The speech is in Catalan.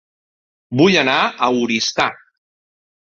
Vull anar a Oristà